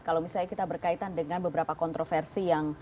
kalau misalnya kita berkaitan dengan beberapa kontroversi yang